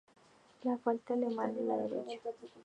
Le falta la mano derecha.